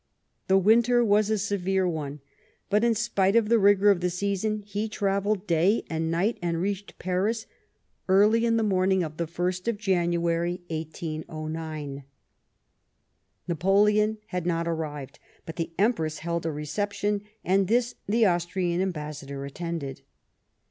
The winter was a severe one, but in spite of the rigour of the season, he travelled day and night, and reached Paris early on the morning of the TEE EMBASSY TO PARIS. 39 1st January (1809). Napoleon had not arrived, but the Empress held a reception, and this the Austrian ambassador attended.